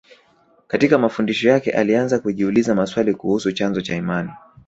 Katika mafundisho yake alianza kujiuliza maswali kuhusu chanzo cha imani